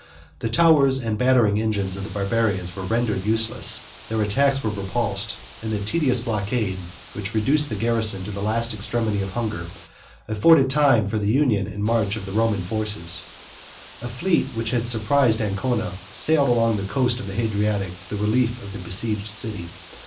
The towers and battering engines of the Barbarians were rendered useless; their attacks were repulsed; and the tedious blockade, which reduced the garrison to the last extremity of hunger, afforded time for the union and march of the Roman forces. A fleet, which had surprised Ancona, sailed along the coast of the Hadriatic, to the relief of the besieged city.